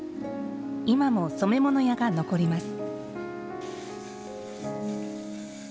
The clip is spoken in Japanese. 今も染め物屋が残ります。